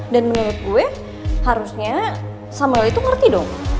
dan menurut gue harusnya samuel itu ngerti dong